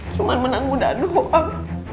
cuman menang muda doang